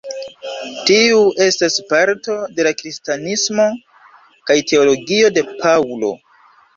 Tiu estas parto de la kristanismo kaj teologio de Paŭlo.